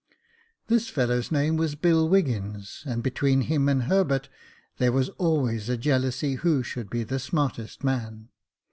This fellow's name was Bill Wiggins, and between him and Herbert there was always a jealousy 152 Jacob Faithful who should be the smartest man.